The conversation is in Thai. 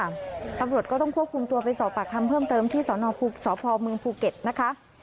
ตำรวจก็ต้องควบคุมตัวไปสอบปากคำเพิ่มเติมที่สนสพเมืองภูเก็ตนะคะ